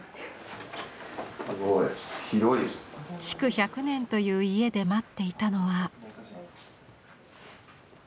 築１００年という家で待っていたのは。